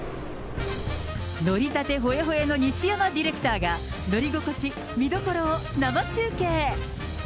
乗りたてほやほやの西山ディレクターが、乗り心地、見どころを生中継！